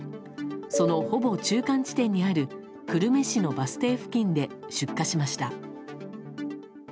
そのほぼ中間地点にある久留米市のバス停付近で出火しました。